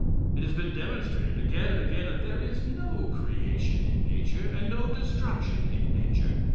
It has been demonstrated again and again that there is no creation in nature, and no destruction in nature.